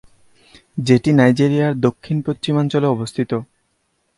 যেটি নাইজেরিয়ার দক্ষিণ-পশ্চিমাঞ্চলে অবস্থিত।